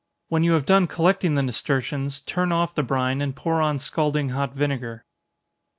When you have done collecting the nasturtions, turn off the brine, and pour on scalding hot vinegar.